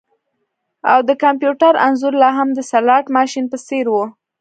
او د کمپیوټر انځور لاهم د سلاټ ماشین په څیر و